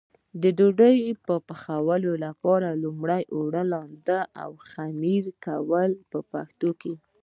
د دې ډوډۍ پخولو لپاره لومړی اوړه لمد او خمېره کوي په پښتو کې.